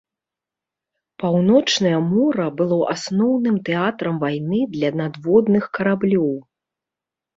Паўночнае мора было асноўным тэатрам вайны для надводных караблёў.